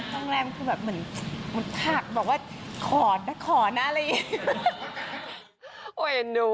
โรงแรมคือแบบเหมือนผักบอกว่าขอนะขอนะอะไรอย่างนี้